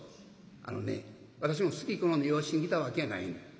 あのね私もすき好んで養子に来たわけやないのよ。